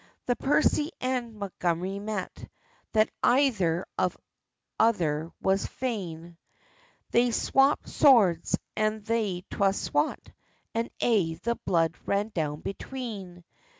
The Percy and Montgomery met, That either of other were fain; They swapped swords, and they twa swat, And aye the blood ran down between.